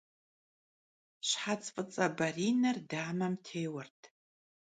Şhets f'ıts'e beriner damem têuert.